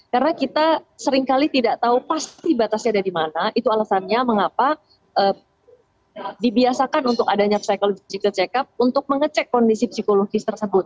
karena kita seringkali tidak tahu pasti batasnya ada di mana itu alasannya mengapa dibiasakan untuk adanya psychological check up untuk mengecek kondisi psikologis tersebut